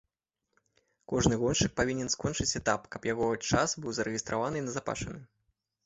Кожны гоншчык павінен скончыць этап, каб яго час быў зарэгістраваны і назапашаны.